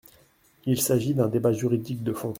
Il s’agit d’un débat juridique de fond.